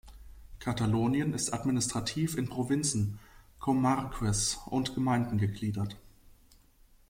Katalonien ist administrativ in Provinzen, "comarques" und Gemeinden gegliedert.